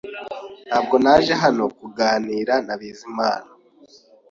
Ntabwo naje hano kuganira na Bizimana